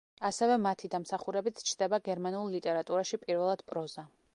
ასევე მათი დამსახურებით ჩნდება გერმანულ ლიტერატურაში პირველად პროზა.